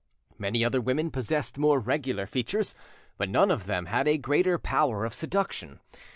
Many other women possessed more regular features, but none of them had a greater power of seduction.